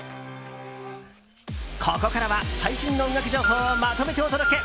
ここからは最新の音楽情報をまとめてお届け！